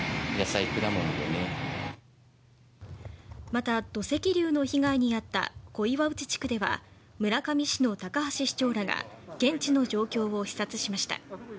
また、土石流の被害に遭った小岩内地区では村上市の高橋市長らが現地の状況を視察しました。